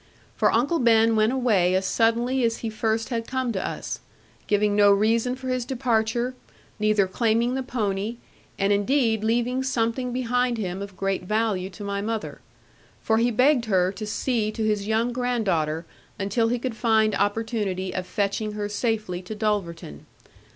For Uncle Ben went away as suddenly as he first had come to us, giving no reason for his departure, neither claiming the pony, and indeed leaving something behind him of great value to my mother. For he begged her to see to his young grand daughter, until he could find opportunity of fetching her safely to Dulverton.